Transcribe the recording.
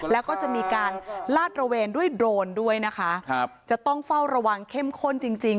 แล้วก็จะมีการลาดระเวนด้วยโดรนด้วยนะคะครับจะต้องเฝ้าระวังเข้มข้นจริงจริง